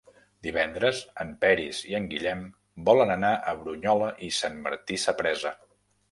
Divendres en Peris i en Guillem volen anar a Brunyola i Sant Martí Sapresa.